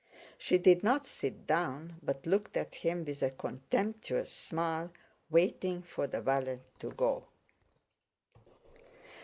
She did not sit down but looked at him with a contemptuous smile, waiting for the valet to go.